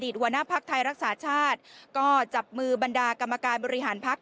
หัวหน้าภักดิ์ไทยรักษาชาติก็จับมือบรรดากรรมการบริหารพัก